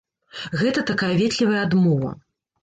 Гэта такая ветлівая адмова.